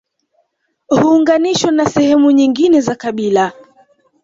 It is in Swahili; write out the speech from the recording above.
Huunganishwa na sehemu nyingine za kabila